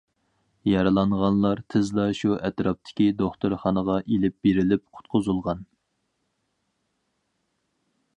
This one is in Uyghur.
يارىلانغانلار تېزلا شۇ ئەتراپتىكى دوختۇرخانىغا ئېلىپ بېرىلىپ، قۇتقۇزۇلغان.